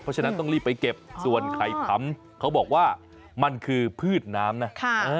เพราะฉะนั้นต้องรีบไปเก็บส่วนไข่ผำเขาบอกว่ามันคือพืชน้ำนะ